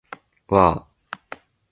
わー